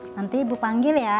nanti ibu panggil ya